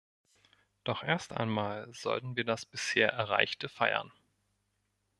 Doch erst einmal sollten wir das bisher Erreichte feiern.